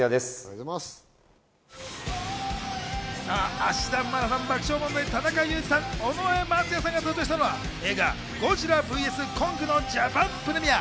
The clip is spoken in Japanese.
芦田愛菜さん、爆笑問題・田中裕二さん、尾上松也さんが登場したのは映画『ゴジラｖｓコング』のジャパンプレミア。